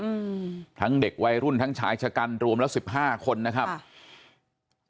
อืมทั้งเด็กวัยรุ่นทั้งชายชะกันรวมแล้วสิบห้าคนนะครับค่ะ